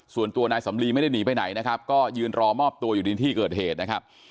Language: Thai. ส่วนตัวนายสำลีไม่ได้หนีไปไหนนะครับก็ยืนรอมอบตัวอยู่ในที่เกิดเหตุนะครับ